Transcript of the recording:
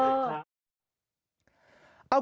บ๊ายบายนะเธอ